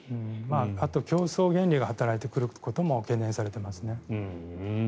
あと競争原理が働いてくることも懸念されていますね。